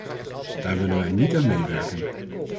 Daar willen wij niet aan meewerken.